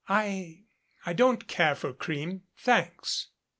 "I I don't care for cream, thanks."